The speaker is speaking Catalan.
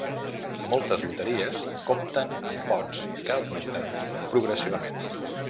Moltes loteries compten amb pots que augmenten progressivament.